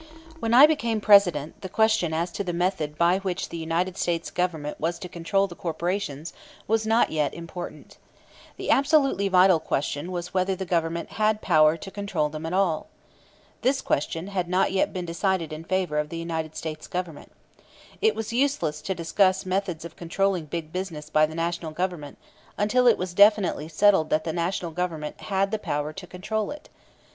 When I became President, the question as to the method by which the United States Government was to control the corporations was not yet important. The absolutely vital question was whether the Government had power to control them at all. This question had not yet been decided in favor of the United States Government. It was useless to discuss methods of controlling big business by the National Government until it was definitely settled that the National Government had the power to control it.